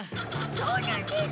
そうなんです！